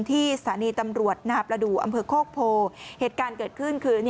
ที่สถานีตำรวจนาประดูกอำเภอโคกโพเหตุการณ์เกิดขึ้นคือ